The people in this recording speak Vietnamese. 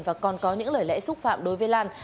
và còn có những lời lẽ xúc phạm đối với lan